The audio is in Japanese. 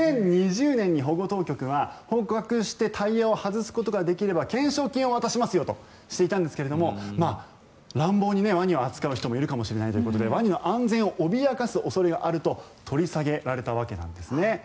２０２０年に保護当局は捕獲してタイヤを外すことができれば懸賞金を渡しますとしていたんですが乱暴にワニを扱う人もいるかもしれないということでワニの安全を脅かす恐れがあると取り下げられたわけなんです。